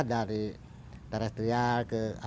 dari terrestrial ke alam